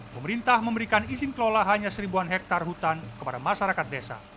pemerintah memberikan izin kelola hanya seribuan hektare hutan kepada masyarakat desa